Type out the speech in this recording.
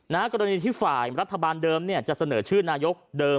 กรณีที่ฝ่ายรัฐบาลเดิมเนี่ยจะเสนอชื่อนายกเดิม